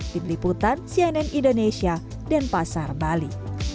di beliputan cnn indonesia dan pasar bali